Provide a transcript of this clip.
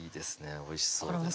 おいしそうです